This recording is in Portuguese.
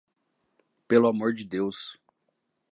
Pelo amor de Deus!